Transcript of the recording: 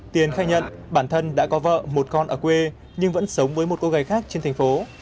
tiền khai nhận bản thân đã có vợ một con ở quê nhưng vẫn sống với một cô gái khác trên thành phố